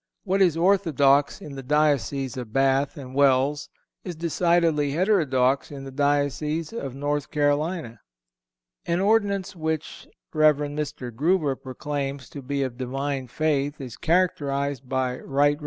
What is orthodox in the diocese of Bath and Wells is decidedly heterodox in the diocese of North Carolina. An ordinance which Rev. Mr. Grueber proclaims to be of Divine faith is characterized by Rt. Rev.